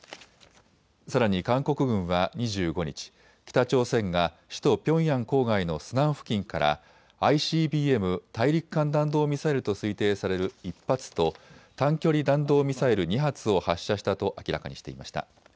さらに韓国軍は２５日、北朝鮮が首都ピョンヤン郊外のスナン付近からＩＣＢＭ・大陸間弾道ミサイルと推定される１発と短距離弾道ミサイル２発を発射したと明らかにしていました。